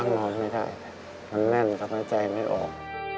มันก็นอนไม่ได้มันแน่นตัวใจไม่ออก